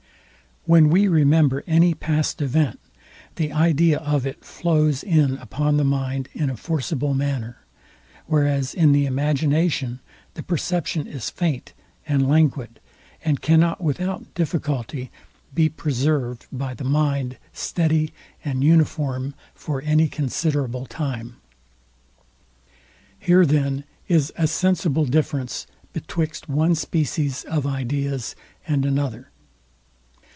When we remember any past event, the idea of it flows in upon the mind in a forcible manner; whereas in the imagination the perception is faint and languid, and cannot without difficulty be preserved by the mind steddy and uniform for any considerable time. Here then is a sensible difference betwixt one species of ideas and another.